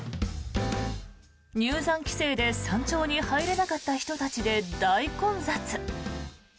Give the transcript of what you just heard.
入山規制で山頂に入れなかった人たちで大混雑。